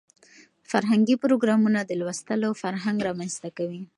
فرهنګي پروګرامونه د لوستلو فرهنګ رامنځته کوي.